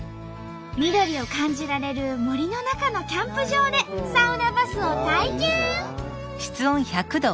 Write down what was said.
緑を感じられる森の中のキャンプ場でサウナバスを体験！